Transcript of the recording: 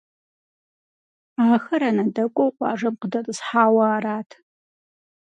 Ахэр анэдэкӏуэу къуажэм къыдэтӏысхьауэ арат.